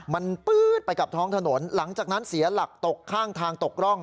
มันปื๊ดไปกับท้องถนนหลังจากนั้นเสียหลักตกข้างทางตกร่อง